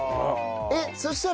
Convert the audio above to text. えっそしたら。